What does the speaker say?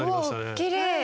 おきれい。